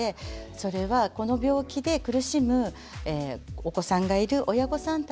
それはこの病気で苦しむお子さんがいる親御さんたちが後押しして下さって